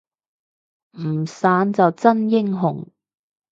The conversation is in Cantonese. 唔散就真英雄